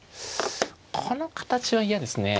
この形は嫌ですね。